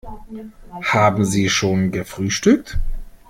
Haben Sie schon gefrühstückt?